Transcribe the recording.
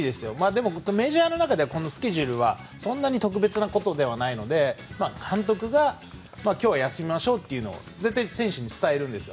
でも、メジャーの中ではこのスケジュールは特別なことじゃないので監督が今日は休みましょうと絶対に選手に伝えるんです。